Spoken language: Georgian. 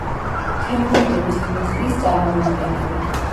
თემურიდების დინასტიის წარმომადგენელი.